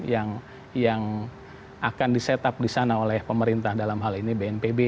yang akan di set up di sana oleh pemerintah dalam hal ini bnpb